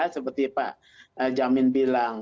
seperti pak jamin bilang